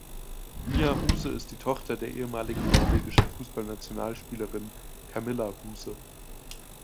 Mia Huse ist die Tochter der ehemaligen norwegischen Fußballnationalspielerin Camilla Huse.